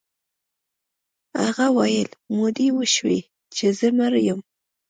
هغه ویل مودې وشوې چې زه مړ یم